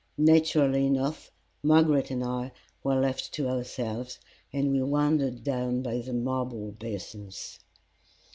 Naturally enough, Margaret and I were left to ourselves, and we wandered down by the marble basins.